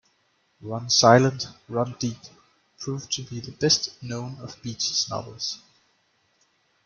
"Run Silent, Run Deep" proved to be the best known of Beach's novels.